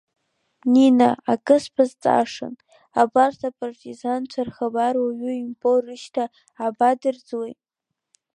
Нина, акы сбазҵаашан, абарҭ апартизанцәа рхабар уаҩы имбо рышьҭа абадырӡуеи?